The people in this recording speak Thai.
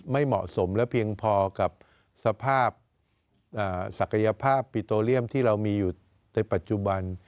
ไม่เหมาะสมและเพียงพอกับสภาพศักยภาพปิโตเรียมที่เรามีอยู่ในปัจจุบัน